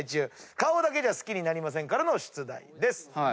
『顔だけじゃ好きになりません』からの出題です。